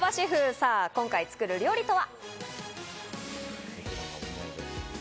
さぁ今回作る料理とは。